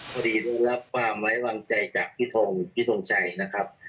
พอดีทุกคนครับความไม้วางใจจากพี่ทมพี่ทมชัยนะครับ